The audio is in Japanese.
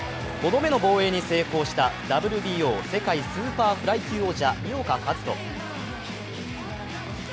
５度目の防衛に成功したＷＢＯ世界スーパーフライ級王者井岡一翔。